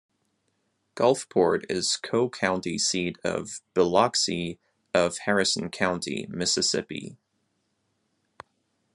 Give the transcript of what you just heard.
Gulfport is co-county seat with Biloxi of Harrison County, Mississippi.